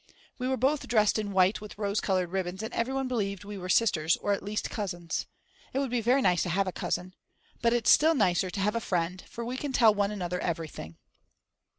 We were both dressed in white with rose coloured ribbons, and everyone believed we were sisters or at least cousins. It would be very nice to have a cousin. But it's still nicer to have a friend, for we can tell one another everything.